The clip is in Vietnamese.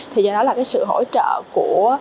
thì do đó là cái sự hỗ trợ của